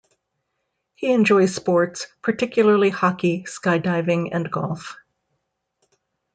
He enjoys sports, particularly hockey, sky-diving, and golf.